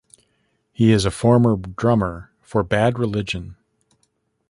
He is a former drummer for Bad Religion.